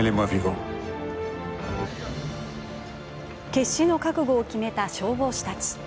決死の覚悟を決めた消防士たち。